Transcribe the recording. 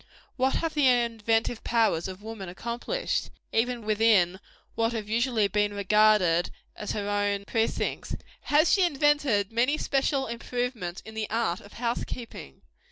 What have the inventive powers of woman accomplished, even within what have been usually regarded as her own precincts? Has she invented many special improvements in the art of house keeping?